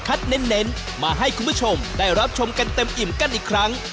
เน้นมาให้คุณผู้ชมได้รับชมกันเต็มอิ่มกันอีกครั้ง